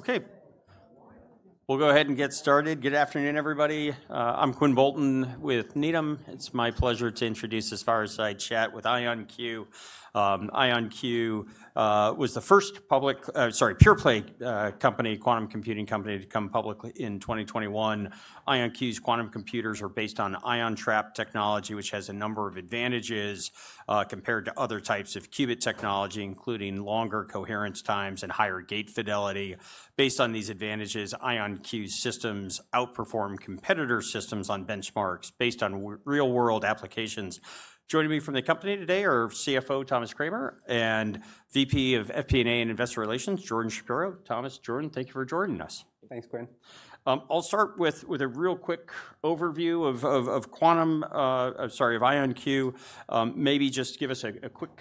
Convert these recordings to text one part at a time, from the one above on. Okay. We'll go ahead and get started. Good afternoon, everybody. I'm Quinn Bolton with Needham. It's my pleasure to introduce our chat with IonQ. IonQ was the first public, sorry, pure play company, quantum computing company to come public in 2021. IonQ's quantum computers are based on ion trap technology, which has a number of advantages compared to other types of qubit technology, including longer coherence times and higher gate fidelity. Based on these advantages, IonQ's systems outperform competitor systems on benchmarks based on real-world applications. Joining me from the company today are CFO Thomas Kramer and VP of FP&A and Investor Relations, Jordan Shapiro. Thomas, Jordan, thank you for joining us. Thanks, Quinn. I'll start with a real quick overview of quantum, sorry, of IonQ. Maybe just give us a quick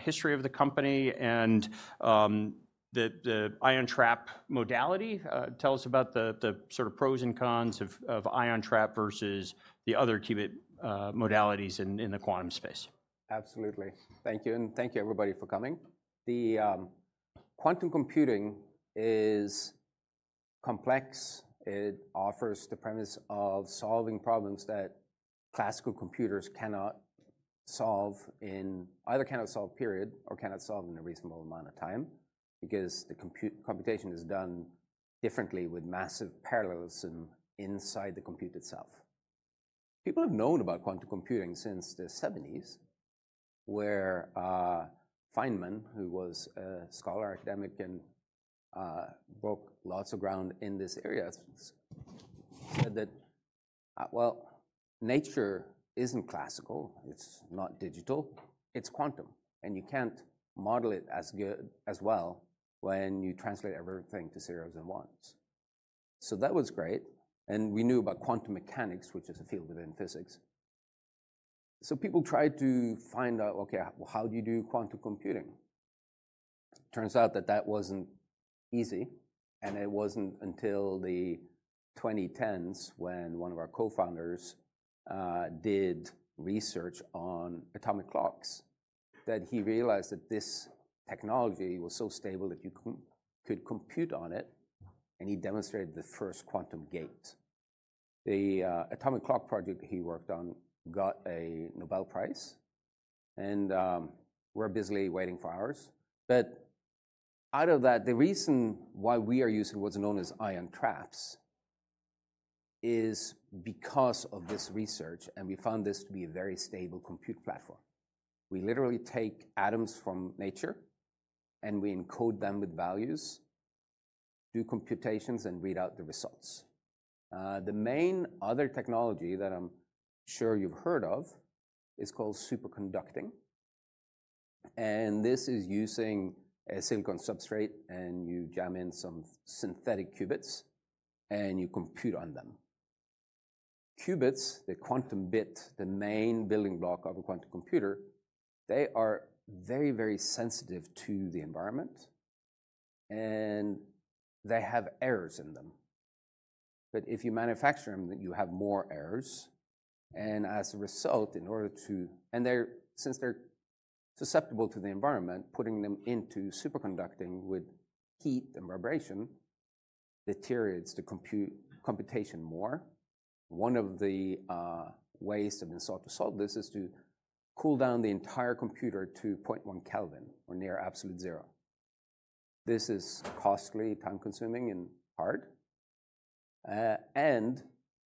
history of the company and the ion trap modality. Tell us about the sort of pros and cons of ion trap versus the other qubit modalities in the quantum space. Absolutely. Thank you. And thank you, everybody, for coming. Quantum computing is complex. It offers the premise of solving problems that classical computers cannot solve in, either cannot solve, period, or cannot solve in a reasonable amount of time because the computation is done differently with massive parallelism inside the compute itself. People have known about quantum computing since the '70s, where Feynman, who was a scholar, academic, and broke lots of ground in this area, said that, well, nature isn't classical. It's not digital. It's quantum. And you can't model it as well when you translate everything to zeros and ones. So that was great. And we knew about quantum mechanics, which is a field within physics. So people tried to find out, okay, how do you do quantum computing? Turns out that that wasn't easy. And it wasn't until the 2010s when one of our co-founders did research on atomic clocks that he realized that this technology was so stable that you could compute on it. And he demonstrated the first quantum gate. The atomic clock project he worked on got a Nobel Prize. And we're busily waiting for ours. But out of that, the reason why we are using what's known as ion traps is because of this research. And we found this to be a very stable compute platform. We literally take atoms from nature, and we encode them with values, do computations, and read out the results. The main other technology that I'm sure you've heard of is called superconducting. And this is using a silicon substrate, and you jam in some synthetic qubits, and you compute on them. Qubits, the quantum bit, the main building block of a quantum computer, they are very, very sensitive to the environment, and they have errors in them, but if you manufacture them, you have more errors, and as a result, in order to, and since they're susceptible to the environment, putting them into superconducting with heat and vibration deteriorates the computation more. One of the ways that have been sought to solve this is to cool down the entire computer to 0.1 Kelvin or near absolute zero. This is costly, time-consuming, and hard, and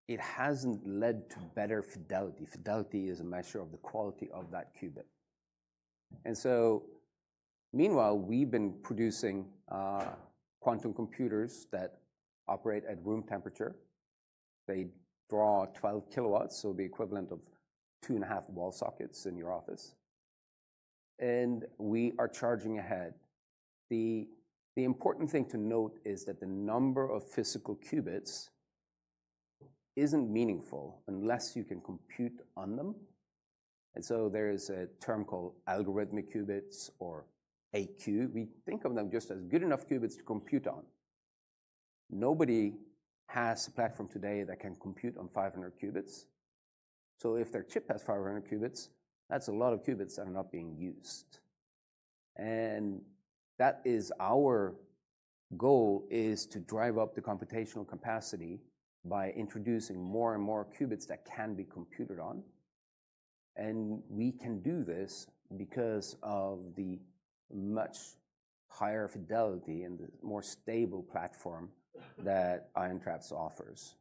it hasn't led to better fidelity. Fidelity is a measure of the quality of that qubit, and so, meanwhile, we've been producing quantum computers that operate at room temperature. They draw 12 kilowatts, so the equivalent of two and a half wall sockets in your office, and we are charging ahead. The important thing to note is that the number of physical qubits isn't meaningful unless you can compute on them, and so there is a term called algorithmic qubits or AQ. We think of them just as good enough qubits to compute on. Nobody has a platform today that can compute on 500 qubits, so if their chip has 500 qubits, that's a lot of qubits that are not being used, and that is our goal, is to drive up the computational capacity by introducing more and more qubits that can be computed on, and we can do this because of the much higher fidelity and the more stable platform that ion traps offers.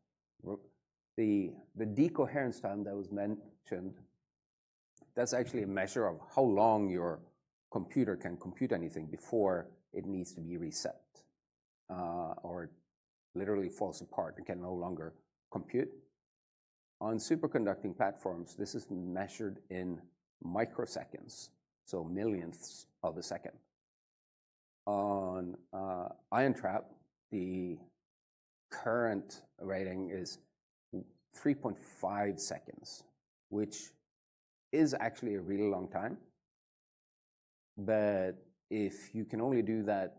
The decoherence time that was mentioned, that's actually a measure of how long your computer can compute anything before it needs to be reset or literally falls apart and can no longer compute. On superconducting platforms, this is measured in microseconds, so millions of a second. On ion trap, the current rating is 3.5 seconds, which is actually a really long time. But if you can only do that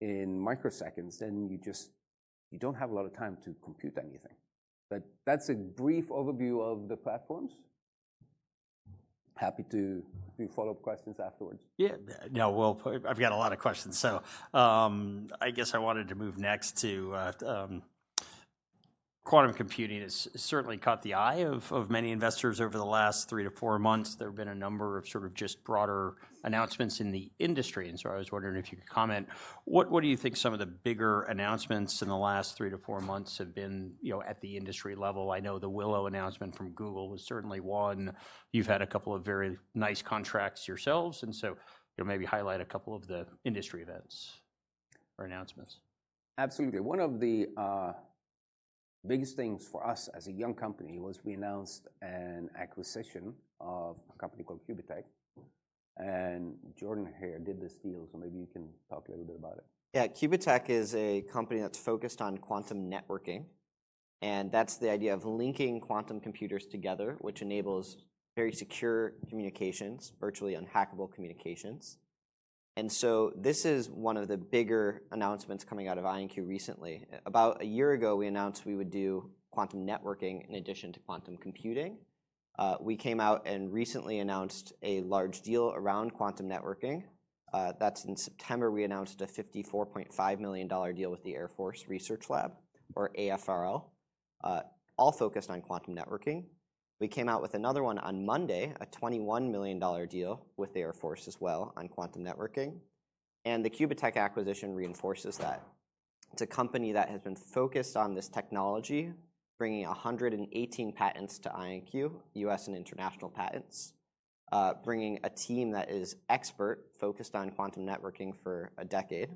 in microseconds, then you just—you don't have a lot of time to compute anything. But that's a brief overview of the platforms. Happy to do follow-up questions afterwards. Yeah. No, well, I've got a lot of questions. So I guess I wanted to move next to quantum computing. It's certainly caught the eye of many investors over the last three to four months. There have been a number of sort of just broader announcements in the industry. And so I was wondering if you could comment. What do you think some of the bigger announcements in the last three to four months have been at the industry level? I know the Willow announcement from Google was certainly one. You've had a couple of very nice contracts yourselves. And so maybe highlight a couple of the industry events or announcements. Absolutely. One of the biggest things for us as a young company was we announced an acquisition of a company called Qubitekk. And Jordan here did this deal. So maybe you can talk a little bit about it. Yeah. Qubitekk is a company that's focused on quantum networking. And that's the idea of linking quantum computers together, which enables very secure communications, virtually unhackable communications. And so this is one of the bigger announcements coming out of IonQ recently. About a year ago, we announced we would do quantum networking in addition to quantum computing. We came out and recently announced a large deal around quantum networking. That's in September. We announced a $54.5 million deal with the Air Force Research Lab, or AFRL, all focused on quantum networking. We came out with another one on Monday, a $21 million deal with the Air Force as well on quantum networking. And the Qubitekk acquisition reinforces that. It's a company that has been focused on this technology, bringing 118 patents to IonQ, U.S. and international patents, bringing a team that is expert, focused on quantum networking for a decade,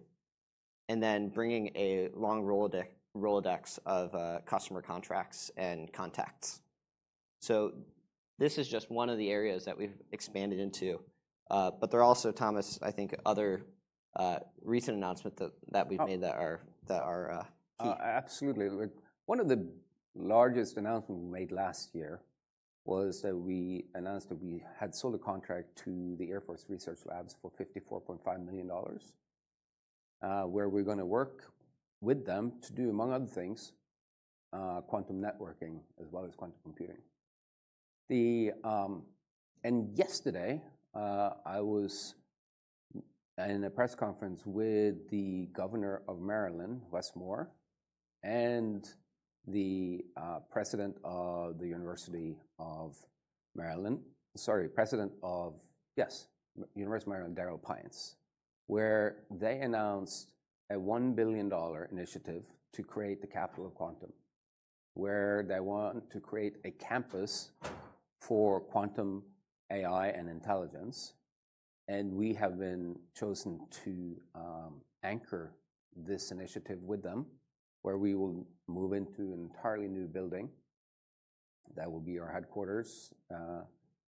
and then bringing a long Rolodex of customer contracts and contacts. So this is just one of the areas that we've expanded into. But there are also, Thomas, I think, other recent announcements that we've made that are key. Absolutely. One of the largest announcements we made last year was that we announced that we had sold a contract to the Air Force Research Lab for $54.5 million, where we're going to work with them to do, among other things, quantum networking as well as quantum computing, and yesterday, I was in a press conference with the Governor of Maryland, Wes Moore, and the President of the University of Maryland, sorry, president of, yes, University of Maryland, Darryll Pines, where they announced a $1 billion initiative to create the Capital of Quantum, where they want to create a campus for quantum AI and intelligence, and we have been chosen to anchor this initiative with them, where we will move into an entirely new building. That will be our headquarters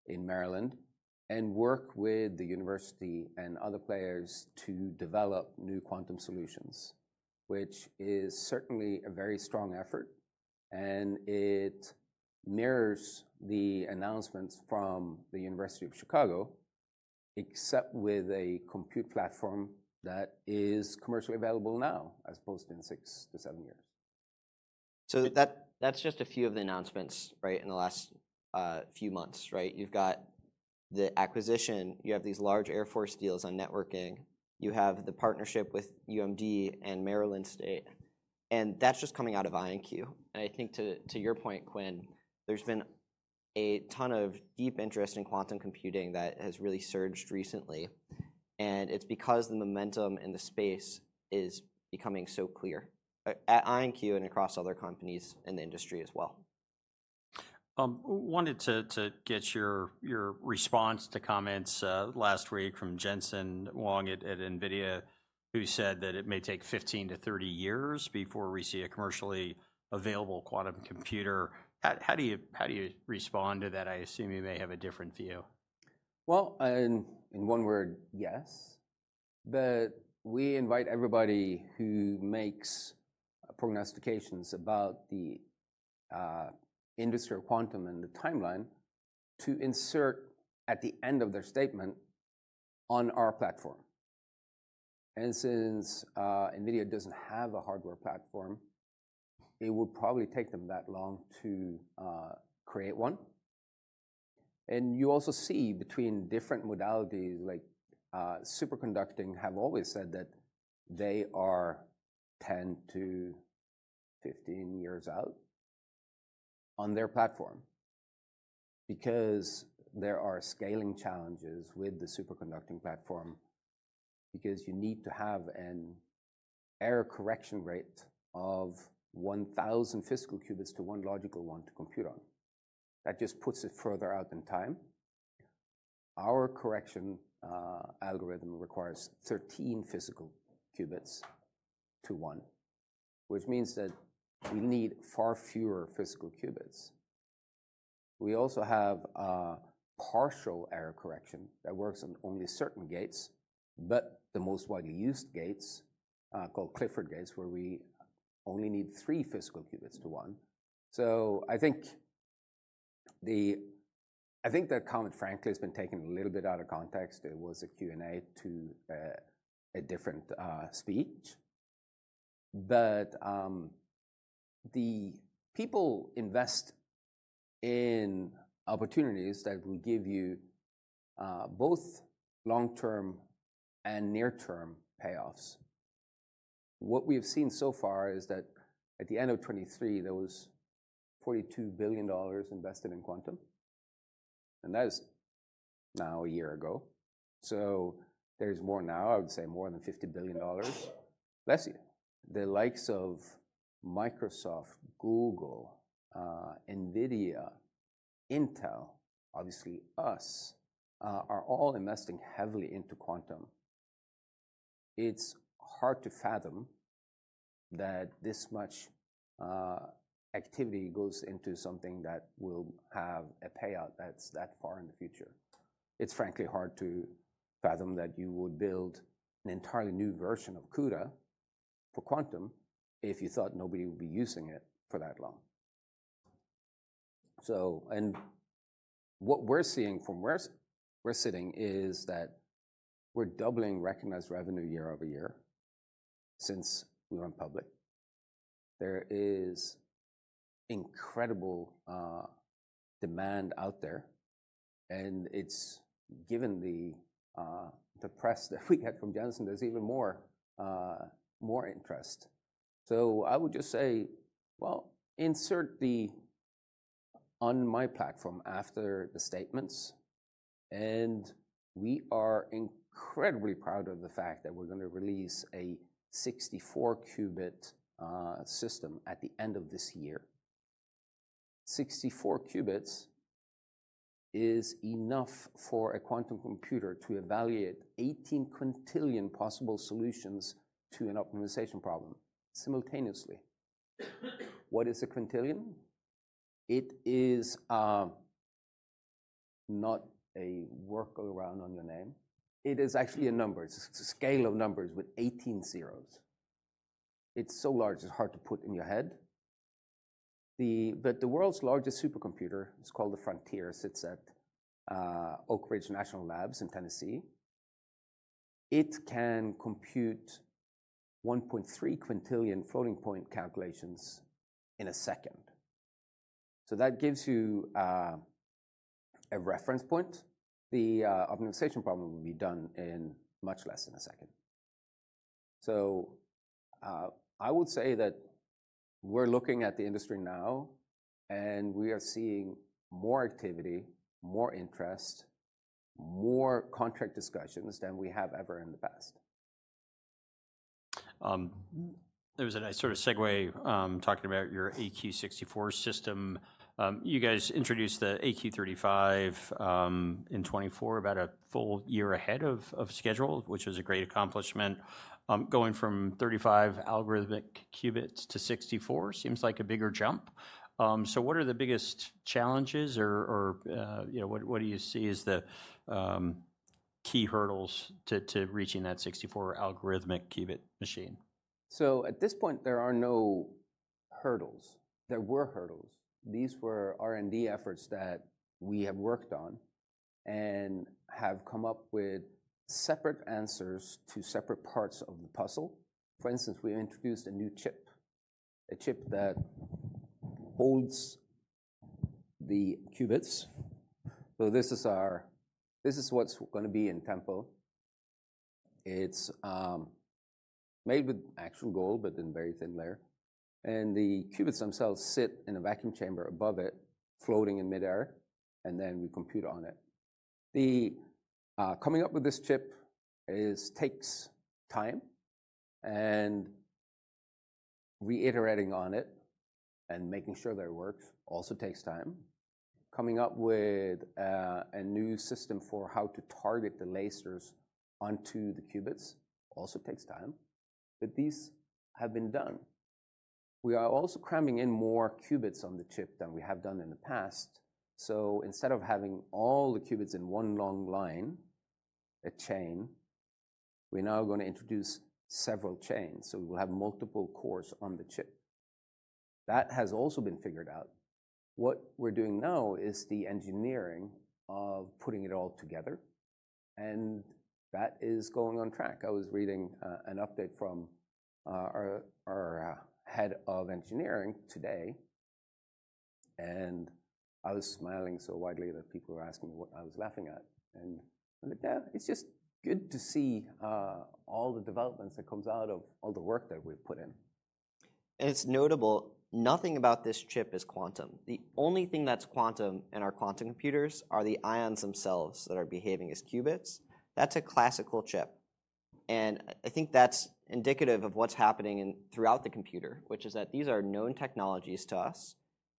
in Maryland and work with the university and other players to develop new quantum solutions, which is certainly a very strong effort. It mirrors the announcements from the University of Chicago, except with a compute platform that is commercially available now, as opposed to in six-to-seven years. So that's just a few of the announcements in the last few months. You've got the acquisition. You have these large Air Force deals on networking. You have the partnership with UMD and Maryland State. And that's just coming out of IonQ. And I think to your point, Quinn, there's been a ton of deep interest in quantum computing that has really surged recently. And it's because the momentum in the space is becoming so clear at IonQ and across other companies in the industry as well. Wanted to get your response to comments last week from Jensen Huang at NVIDIA, who said that it may take 15 years-30 years before we see a commercially available quantum computer. How do you respond to that? I assume you may have a different view. In one word, yes. But we invite everybody who makes prognostications about the industry of quantum and the timeline to insert at the end of their statement on our platform. And since NVIDIA doesn't have a hardware platform, it would probably take them that long to create one. And you also see between different modalities, like superconducting, have always said that they are 10 years-15 years out on their platform because there are scaling challenges with the superconducting platform because you need to have an error correction rate of 1,000 physical qubits to one logical one to compute on. That just puts it further out in time. Our correction algorithm requires 13 physical qubits to one, which means that we need far fewer physical qubits. We also have partial error correction that works on only certain gates, but the most widely used gates called Clifford gates, where we only need three physical qubits to one. So I think the—I think that comment, frankly, has been taken a little bit out of context. It was a Q&A to a different speech. But the people invest in opportunities that will give you both long-term and near-term payoffs. What we have seen so far is that at the end of 2023, there was $42 billion invested in quantum. And that is now a year ago. So there's more now, I would say more than $50 billion. The likes of Microsoft, Google, NVIDIA, Intel, obviously us, are all investing heavily into quantum. It's hard to fathom that this much activity goes into something that will have a payout that's that far in the future. It's frankly hard to fathom that you would build an entirely new version of CUDA for quantum if you thought nobody would be using it for that long. And what we're seeing from where we're sitting is that we're doubling recognized revenue year over year since we went public. There is incredible demand out there. And given the press that we get from Jensen, there's even more interest. So I would just say, well, insert the on my platform after the statements. And we are incredibly proud of the fact that we're going to release a 64-qubit system at the end of this year. 64 qubits is enough for a quantum computer to evaluate 18 quintillion possible solutions to an optimization problem simultaneously. What is a quintillion? It is not a workaround on your name. It is actually a number. It's a scale of numbers with 18 zeros. It's so large, it's hard to put in your head. But the world's largest supercomputer is called the Frontier. It sits at Oak Ridge National Labs in Tennessee. It can compute 1.3 quintillion floating point calculations in a second. So that gives you a reference point. The optimization problem will be done in much less than a second. So I would say that we're looking at the industry now, and we are seeing more activity, more interest, more contract discussions than we have ever in the past. There was a nice sort of segue talking about your AQ 64 system. You guys introduced the AQ 35 in 2024, about a full year ahead of schedule, which was a great accomplishment. Going from 35 algorithmic qubits to 64 seems like a bigger jump. So what are the biggest challenges, or what do you see as the key hurdles to reaching that 64 algorithmic qubit machine? So at this point, there are no hurdles. There were hurdles. These were R&D efforts that we have worked on and have come up with separate answers to separate parts of the puzzle. For instance, we introduced a new chip, a chip that holds the qubits. So this is what's going to be in Tempo. It's made with actual gold, but in a very thin layer. And the qubits themselves sit in a vacuum chamber above it, floating in midair, and then we compute on it. Coming up with this chip takes time. And reiterating on it and making sure that it works also takes time. Coming up with a new system for how to target the lasers onto the qubits also takes time. But these have been done. We are also cramming in more qubits on the chip than we have done in the past. So instead of having all the qubits in one long line, a chain, we're now going to introduce several chains. So we will have multiple cores on the chip. That has also been figured out. What we're doing now is the engineering of putting it all together. And that is going on track. I was reading an update from our head of engineering today. And I was smiling so widely that people were asking me what I was laughing at. And I'm like, yeah, it's just good to see all the developments that come out of all the work that we've put in. It's notable. Nothing about this chip is quantum. The only thing that's quantum in our quantum computers are the ions themselves that are behaving as qubits. That's a classical chip, and I think that's indicative of what's happening throughout the computer, which is that these are known technologies to us,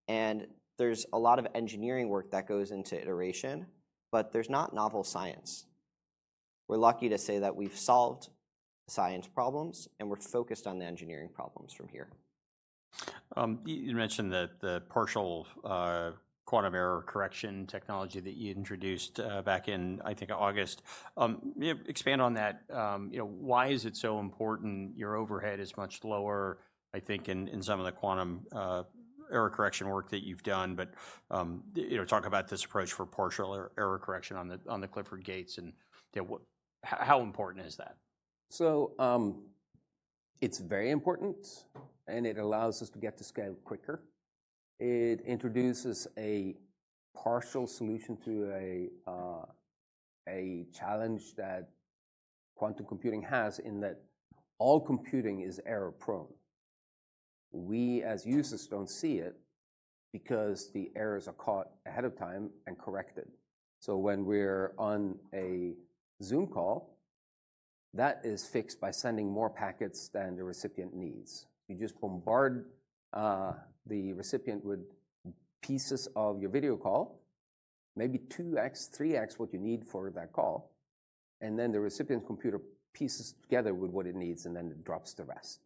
and there's a lot of engineering work that goes into iteration, but there's not novel science. We're lucky to say that we've solved science problems, and we're focused on the engineering problems from here. You mentioned that the partial quantum error correction technology that you introduced back in, I think, August. Expand on that. Why is it so important? Your overhead is much lower, I think, in some of the quantum error correction work that you've done. But talk about this approach for partial error correction on the Clifford gates. And how important is that? So it's very important, and it allows us to get to scale quicker. It introduces a partial solution to a challenge that quantum computing has in that all computing is error-prone. We, as users, don't see it because the errors are caught ahead of time and corrected. So when we're on a Zoom call, that is fixed by sending more packets than the recipient needs. You just bombard the recipient with pieces of your video call, maybe 2x, 3x what you need for that call. And then the recipient's computer pieces together with what it needs, and then it drops the rest.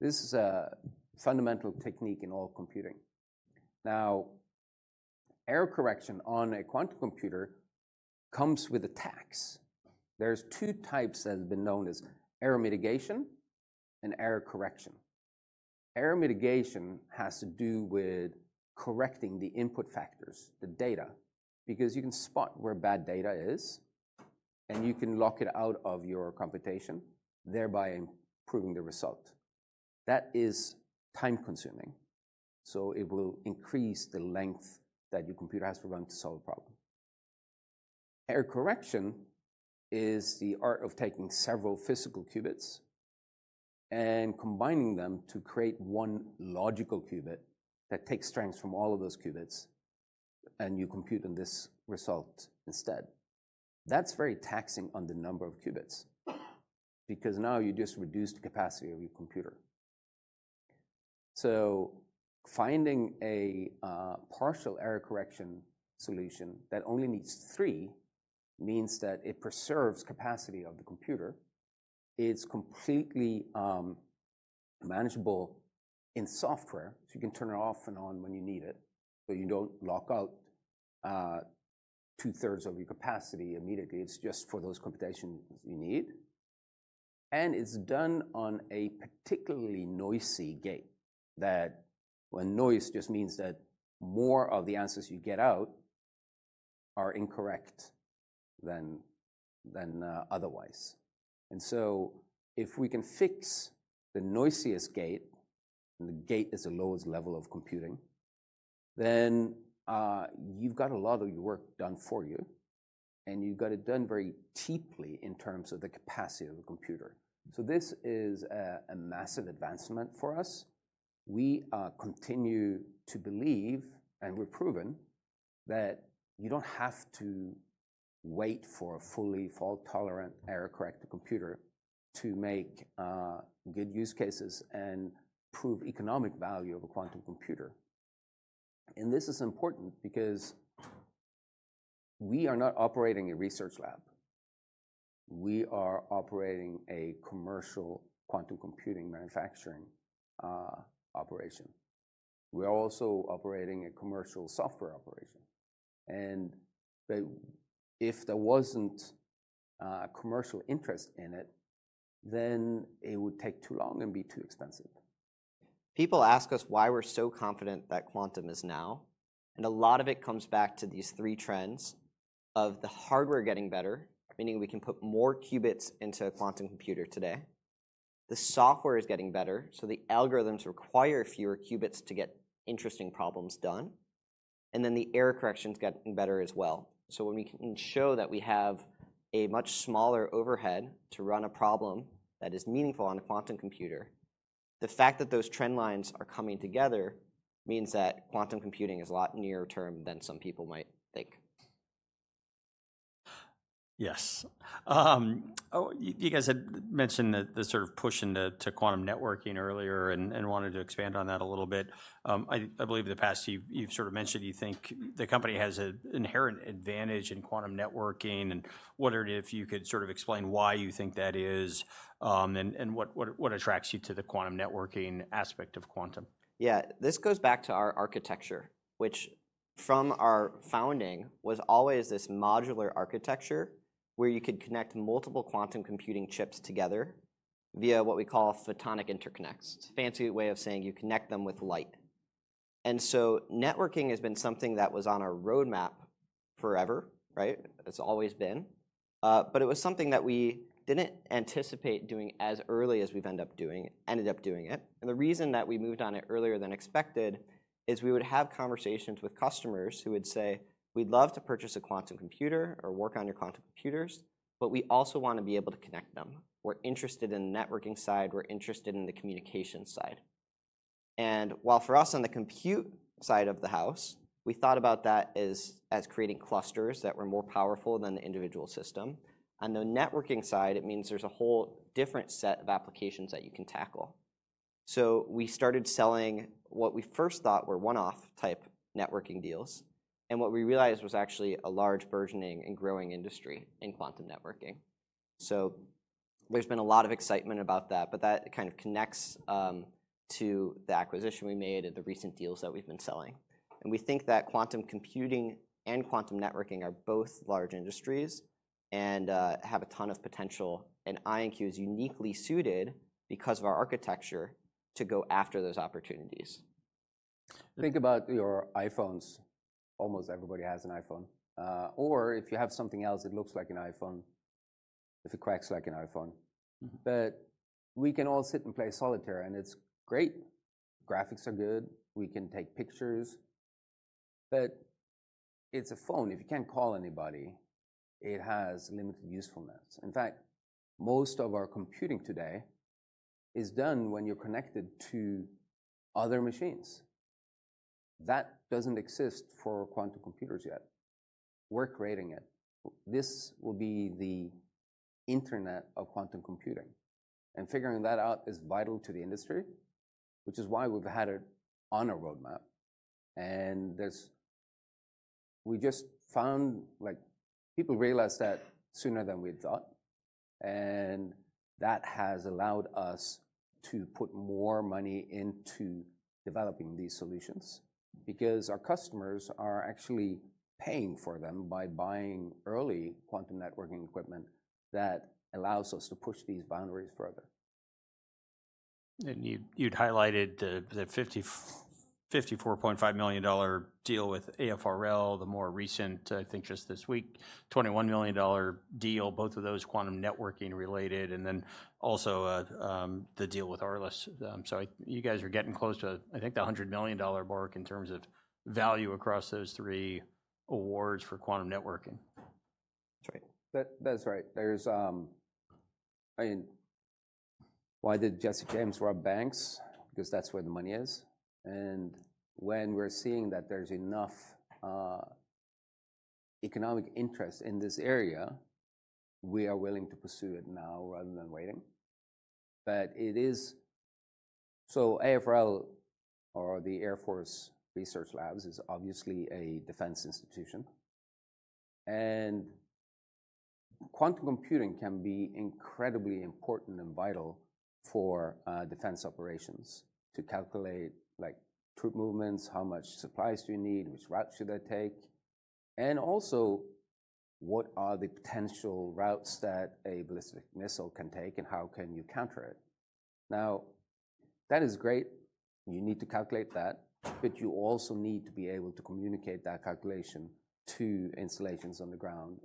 This is a fundamental technique in all computing. Now, error correction on a quantum computer comes with a tax. There's two types that have been known as error mitigation and error correction. Error mitigation has to do with correcting the input factors, the data, because you can spot where bad data is, and you can lock it out of your computation, thereby improving the result. That is time-consuming. So it will increase the length that your computer has to run to solve a problem. Error correction is the art of taking several physical qubits and combining them to create one logical qubit that takes strengths from all of those qubits, and you compute on this result instead. That's very taxing on the number of qubits because now you just reduce the capacity of your computer. So finding a partial error correction solution that only needs three means that it preserves capacity of the computer. It's completely manageable in software. So you can turn it off and on when you need it. So you don't lock out two-thirds of your capacity immediately. It's just for those computations you need, and it's done on a particularly noisy gate that, when noise just means that more of the answers you get out are incorrect than otherwise, and so if we can fix the noisiest gate, and the gate is the lowest level of computing, then you've got a lot of your work done for you, and you've got it done very cheaply in terms of the capacity of the computer, so this is a massive advancement for us. We continue to believe, and we've proven, that you don't have to wait for a fully fault-tolerant, error-corrected computer to make good use cases and prove economic value of a quantum computer, and this is important because we are not operating a research lab. We are operating a commercial quantum computing manufacturing operation. We are also operating a commercial software operation. If there wasn't a commercial interest in it, then it would take too long and be too expensive. People ask us why we're so confident that quantum is now. And a lot of it comes back to these three trends of the hardware getting better, meaning we can put more qubits into a quantum computer today. The software is getting better, so the algorithms require fewer qubits to get interesting problems done. And then the error correction is getting better as well. So when we can show that we have a much smaller overhead to run a problem that is meaningful on a quantum computer, the fact that those trend lines are coming together means that quantum computing is a lot nearer term than some people might think. Yes. You guys had mentioned the sort of push into quantum networking earlier and wanted to expand on that a little bit. I believe in the past you've sort of mentioned you think the company has an inherent advantage in quantum networking, and what if you could sort of explain why you think that is and what attracts you to the quantum networking aspect of quantum? Yeah. This goes back to our architecture, which from our founding was always this modular architecture where you could connect multiple quantum computing chips together via what we call photonic interconnects. It's a fancy way of saying you connect them with light. And so networking has been something that was on our roadmap forever. It's always been. But it was something that we didn't anticipate doing as early as we've ended up doing it. And the reason that we moved on it earlier than expected is we would have conversations with customers who would say, we'd love to purchase a quantum computer or work on your quantum computers, but we also want to be able to connect them. We're interested in the networking side. We're interested in the communication side. And while for us on the compute side of the house, we thought about that as creating clusters that were more powerful than the individual system. On the networking side, it means there's a whole different set of applications that you can tackle. So we started selling what we first thought were one-off type networking deals. And what we realized was actually a large burgeoning and growing industry in quantum networking. So there's been a lot of excitement about that. But that kind of connects to the acquisition we made and the recent deals that we've been selling. And we think that quantum computing and quantum networking are both large industries and have a ton of potential. And IonQ is uniquely suited because of our architecture to go after those opportunities. Think about your iPhones. Almost everybody has an iPhone. Or if you have something else, it looks like an iPhone if it cracks like an iPhone. But we can all sit and play Solitaire. And it's great. Graphics are good. We can take pictures. But it's a phone. If you can't call anybody, it has limited usefulness. In fact, most of our computing today is done when you're connected to other machines. That doesn't exist for quantum computers yet. We're creating it. This will be the internet of quantum computing. And figuring that out is vital to the industry, which is why we've had it on our roadmap. And we just found people realized that sooner than we had thought. That has allowed us to put more money into developing these solutions because our customers are actually paying for them by buying early quantum networking equipment that allows us to push these boundaries further. You'd highlighted the $54.5 million deal with AFRL, the more recent, I think just this week, $21 million deal, both of those quantum networking related, and then also the deal with ARLIS. So you guys are getting close to, I think, the $100 million mark in terms of value across those three awards for quantum networking. That's right. That is right. Why did Jesse James rob banks? Because that's where the money is, and when we're seeing that there's enough economic interest in this area, we are willing to pursue it now rather than waiting, so AFRL, or the Air Force Research Lab, is obviously a defense institution, and quantum computing can be incredibly important and vital for defense operations to calculate troop movements, how much supplies do you need, which routes should they take, and also what are the potential routes that a ballistic missile can take and how can you counter it. Now, that is great. You need to calculate that, but you also need to be able to communicate that calculation to installations on the ground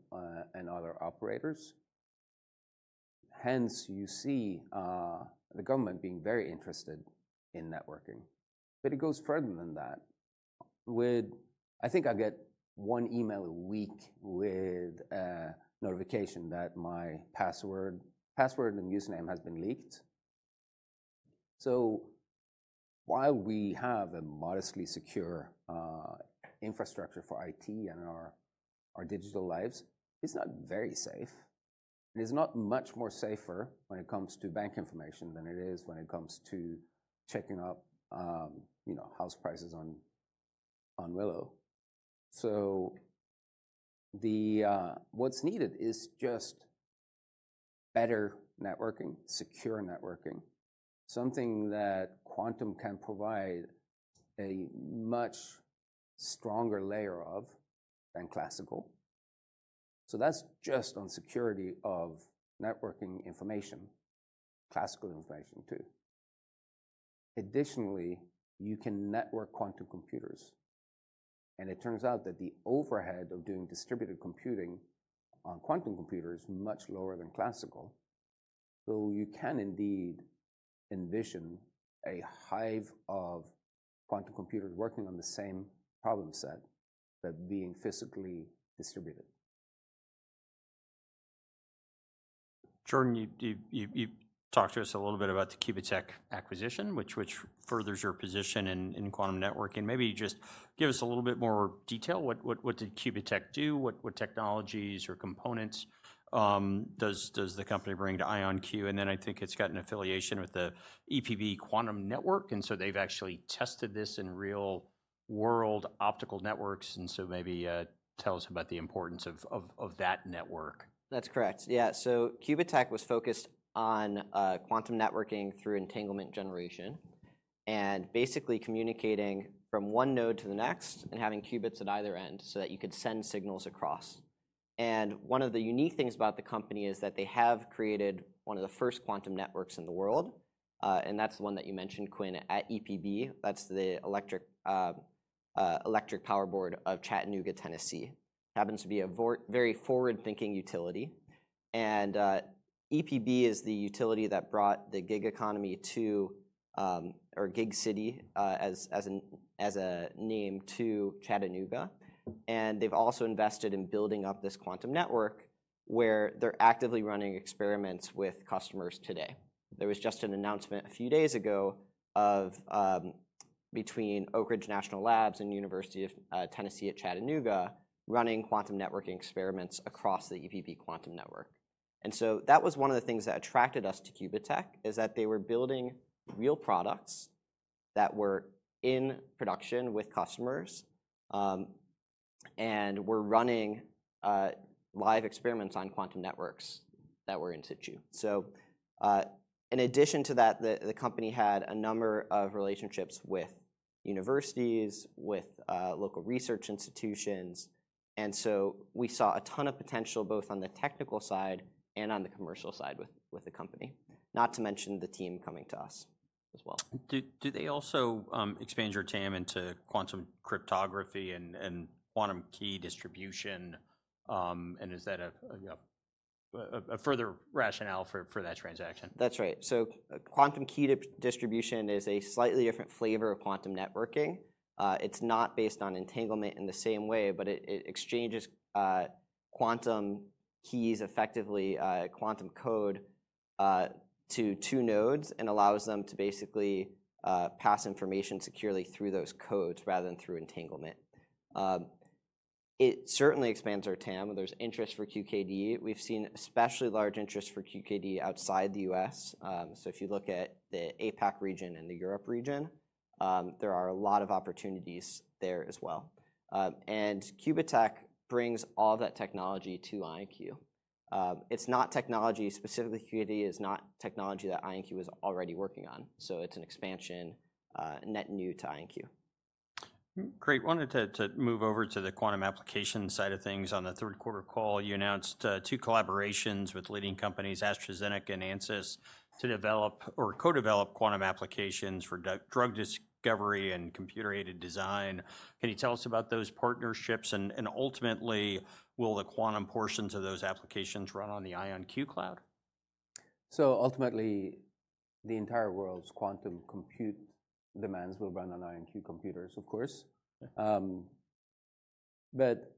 and other operators. Hence, you see the government being very interested in networking, but it goes further than that. I think I get one email a week with a notification that my password and username has been leaked. So while we have a modestly secure infrastructure for IT and our digital lives, it's not very safe. And it's not much more safer when it comes to bank information than it is when it comes to checking up house prices on Zillow. So what's needed is just better networking, secure networking, something that quantum can provide a much stronger layer of than classical. So that's just on security of networking information, classical information, too. Additionally, you can network quantum computers. And it turns out that the overhead of doing distributed computing on quantum computers is much lower than classical. So you can indeed envision a hive of quantum computers working on the same problem set that being physically distributed. Jordan, you talked to us a little bit about the Qubitekk acquisition, which furthers your position in quantum networking. Maybe just give us a little bit more detail. What did Qubitekk do? What technologies or components does the company bring to IonQ? And then I think it's got an affiliation with the EPB Quantum Network. And so they've actually tested this in real-world optical networks. And so maybe tell us about the importance of that network. That's correct. Yeah, so Qubitekk was focused on quantum networking through entanglement generation and basically communicating from one node to the next and having qubits at either end so that you could send signals across. And one of the unique things about the company is that they have created one of the first quantum networks in the world. And that's the one that you mentioned, Quinn, at EPB. That's the Electric Power Board of Chattanooga, Tennessee. It happens to be a very forward-thinking utility. And EPB is the utility that brought the gig economy to, or Gig City as a name, to Chattanooga. And they've also invested in building up this quantum network where they're actively running experiments with customers today. There was just an announcement a few days ago between Oak Ridge National Lab and University of Tennessee at Chattanooga running quantum networking experiments across the EPB Quantum Network. And so that was one of the things that attracted us to Qubitekk is that they were building real products that were in production with customers and were running live experiments on quantum networks that were in situ. So in addition to that, the company had a number of relationships with universities, with local research institutions. And so we saw a ton of potential both on the technical side and on the commercial side with the company, not to mention the team coming to us as well. Do they also expand your team into quantum cryptography and quantum key distribution? And is that a further rationale for that transaction? That's right. So quantum key distribution is a slightly different flavor of quantum networking. It's not based on entanglement in the same way, but it exchanges quantum keys, effectively quantum code, to two nodes and allows them to basically pass information securely through those codes rather than through entanglement. It certainly expands our TAM. There's interest for QKD. We've seen especially large interest for QKD outside the U.S. So if you look at the APAC region and the Europe region, there are a lot of opportunities there as well. And Qubitekk brings all that technology to IonQ. It's not technology. Specifically, QKD is not technology that IonQ is already working on. So it's an expansion net new to IonQ. Great. I wanted to move over to the quantum application side of things. On the third quarter call, you announced two collaborations with leading companies, AstraZeneca and Ansys, to develop or co-develop quantum applications for drug discovery and computer-aided design. Can you tell us about those partnerships? And ultimately, will the quantum portions of those applications run on the IonQ cloud? So ultimately, the entire world's quantum compute demands will run on IonQ computers, of course. But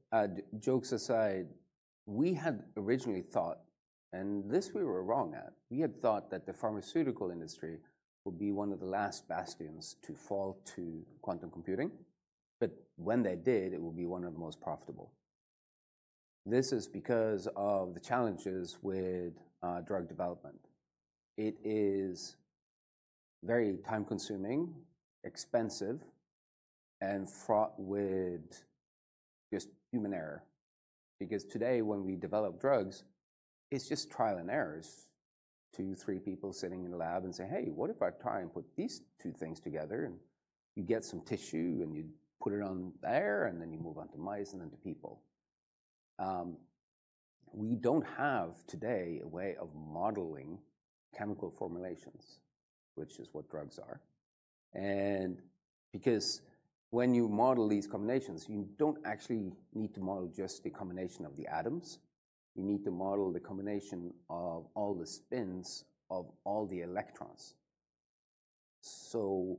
jokes aside, we had originally thought, and this we were wrong at, that the pharmaceutical industry would be one of the last bastions to fall to quantum computing. But when they did, it will be one of the most profitable. This is because of the challenges with drug development. It is very time-consuming, expensive, and fraught with just human error. Because today, when we develop drugs, it's just trial and errors, two, three people sitting in a lab and saying, hey, what if I try and put these two things together? And you get some tissue, and you put it on there, and then you move on to mice and then to people. We don't have today a way of modeling chemical formulations, which is what drugs are. And because when you model these combinations, you don't actually need to model just the combination of the atoms. You need to model the combination of all the spins of all the electrons. So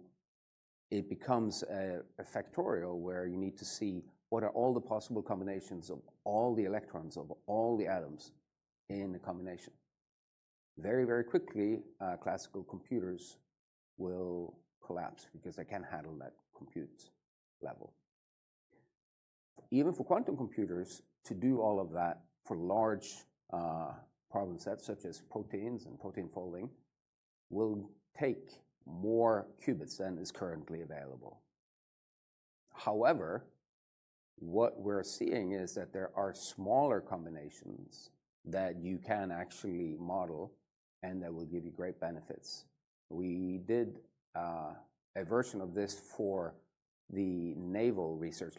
it becomes a factorial where you need to see what are all the possible combinations of all the electrons of all the atoms in a combination. Very, very quickly, classical computers will collapse because they can't handle that compute level. Even for quantum computers, to do all of that for large problem sets, such as proteins and protein folding, will take more qubits than is currently available. However, what we're seeing is that there are smaller combinations that you can actually model and that will give you great benefits. We did a version of this for the Naval Research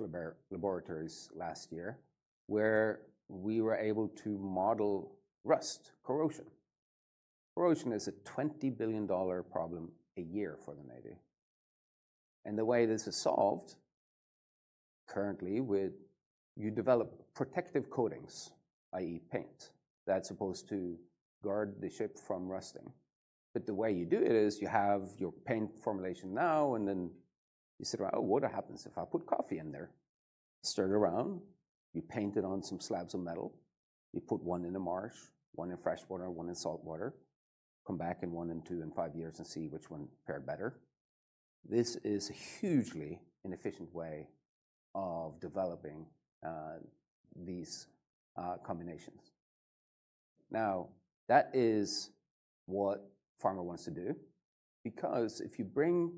Laboratory last year where we were able to model rust, corrosion. Corrosion is a $20 billion problem a year for the Navy. And the way this is solved currently, you develop protective coatings, i.e., paint, that's supposed to guard the ship from rusting. But the way you do it is you have your paint formulation now, and then you sit around, oh, what happens if I put coffee in there? Stir it around. You paint it on some slabs of metal. You put one in a marsh, one in fresh water, one in salt water. Come back in one and two and five years and see which one fared better. This is a hugely inefficient way of developing these combinations. Now, that is what Pharma wants to do. Because if you bring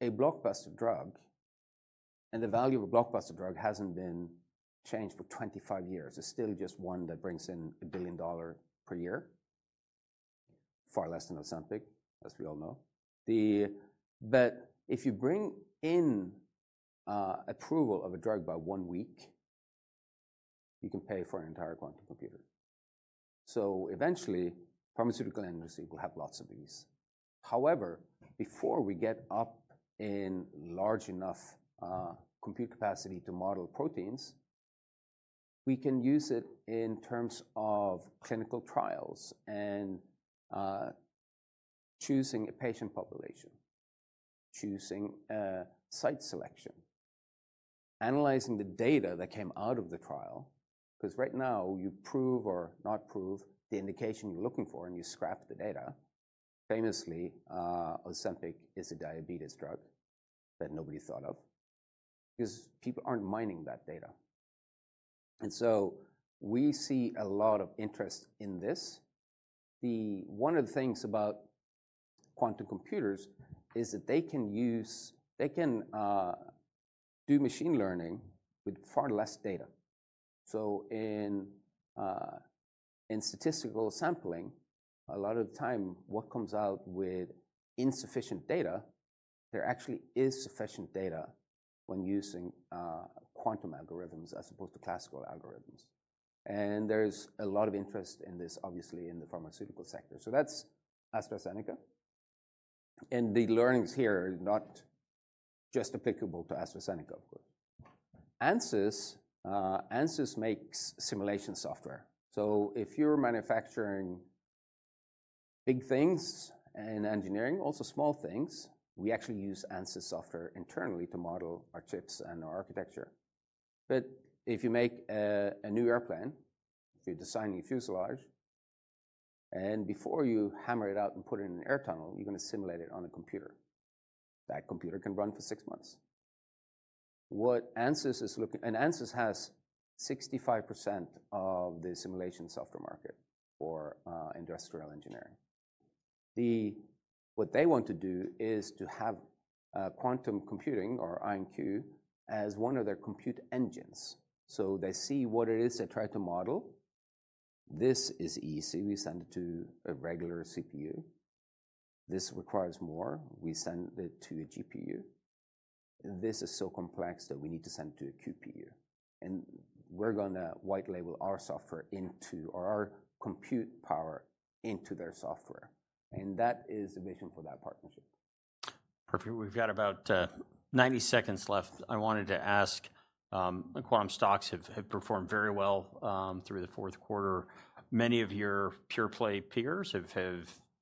a blockbuster drug and the value of a blockbuster drug hasn't been changed for 25 years, it's still just one that brings in $1 billion per year, far less than Ozempic, as we all know. But if you bring in approval of a drug by one week, you can pay for an entire quantum computer. So eventually, pharmaceutical industry will have lots of these. However, before we get up in large enough compute capacity to model proteins, we can use it in terms of clinical trials and choosing a patient population, choosing site selection, analyzing the data that came out of the trial. Because right now, you prove or not prove the indication you're looking for, and you scrap the data. Famously, Ozempic is a diabetes drug that nobody thought of because people aren't mining that data. And so we see a lot of interest in this. One of the things about quantum computers is that they can do machine learning with far less data. So in statistical sampling, a lot of the time what comes out with insufficient data, there actually is sufficient data when using quantum algorithms as opposed to classical algorithms. And there's a lot of interest in this, obviously, in the pharmaceutical sector. So that's AstraZeneca. And the learnings here are not just applicable to AstraZeneca, of course. Ansys makes simulation software. So if you're manufacturing big things in engineering, also small things, we actually use Ansys software internally to model our chips and our architecture. But if you make a new airplane, if you're designing fuselage, and before you hammer it out and put it in a wind tunnel, you're going to simulate it on a computer. That computer can run for six months. Ansys has 65% of the simulation software market for industrial engineering. What they want to do is to have quantum computing or IonQ as one of their compute engines. They see what it is they try to model. This is easy. We send it to a regular CPU. This requires more. We send it to a GPU. This is so complex that we need to send it to a QPU. We're going to white label our software into or our compute power into their software. That is the vision for that partnership. Perfect. We've got about 90 seconds left. I wanted to ask, quantum stocks have performed very well through the fourth quarter. Many of your pure play peers have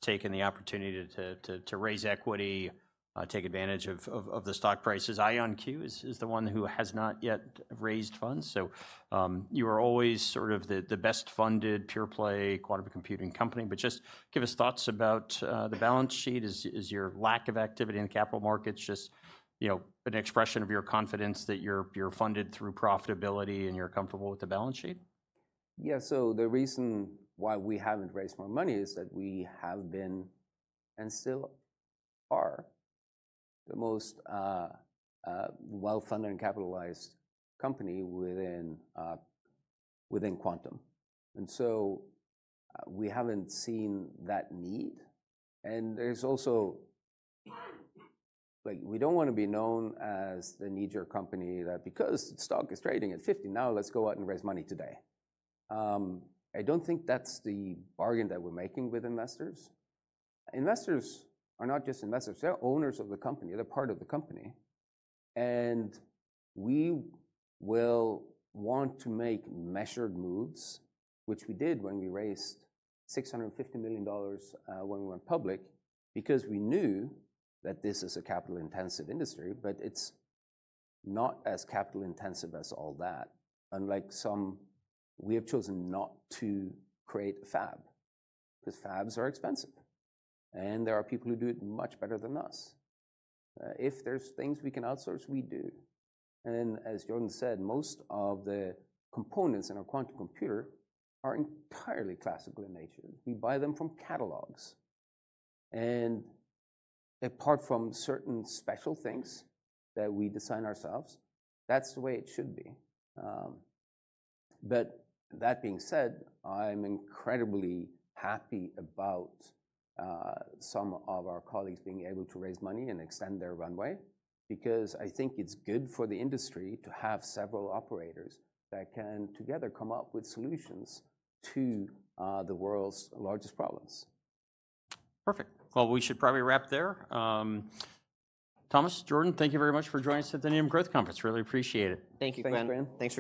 taken the opportunity to raise equity, take advantage of the stock prices. IonQ is the one who has not yet raised funds, so you are always sort of the best funded pure play quantum computing company, but just give us thoughts about the balance sheet. Is your lack of activity in the capital markets just an expression of your confidence that you're funded through profitability and you're comfortable with the balance sheet? Yeah. So the reason why we haven't raised more money is that we have been and still are the most well-funded and capitalized company within quantum. We haven't seen that need. There's also we don't want to be known as the knee-jerk company that because the stock is trading at $50 now, let's go out and raise money today. I don't think that's the bargain that we're making with investors. Investors are not just investors. They're owners of the company. They're part of the company. We will want to make measured moves, which we did when we raised $650 million when we went public because we knew that this is a capital-intensive industry, but it's not as capital-intensive as all that. Unlike some, we have chosen not to create a fab because fabs are expensive. There are people who do it much better than us. If there's things we can outsource, we do. And as Jordan said, most of the components in a quantum computer are entirely classical in nature. We buy them from catalogs. And apart from certain special things that we design ourselves, that's the way it should be. But that being said, I'm incredibly happy about some of our colleagues being able to raise money and extend their runway because I think it's good for the industry to have several operators that can together come up with solutions to the world's largest problems. Perfect. Well, we should probably wrap there. Thomas, Jordan, thank you very much for joining us at the Needham Growth Conference. Really appreciate it. Thank you, Quinn. Thanks, Quinn. Thanks.